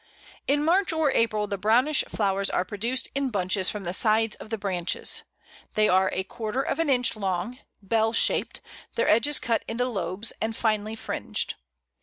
In March or April the brownish flowers are produced in bunches from the sides of the branches. They are a quarter of an inch long, bell shaped, their edges cut into lobes, and finely fringed.